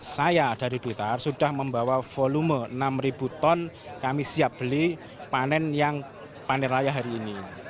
saya dari blitar sudah membawa volume enam ribu ton kami siap beli panen yang panen raya hari ini